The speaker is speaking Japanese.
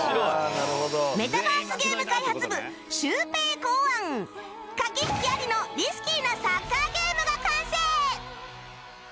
メタバースゲーム開発部シュウペイ考案駆け引きありのリスキーなサッカーゲームが完成！